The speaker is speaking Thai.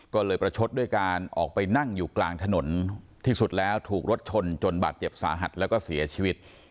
ก็เลยประชดด้วยการออกไปนั่งอยู่กลางถนนที่สุดแล้วถูกรถชนจนบาดเจ็บสาหัสแล้วก็เสียชีวิต